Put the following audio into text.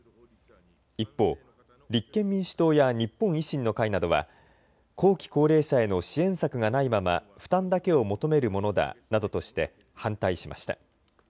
一方、立憲民主党や日本維新の会などは後期高齢者への支援策がないまま負担だけを求めるものだなどとして反対しました。